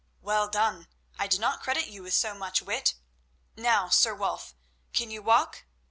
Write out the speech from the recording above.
Well done! I did not credit you with so much wit. Now, Sir Wulf, can you walk?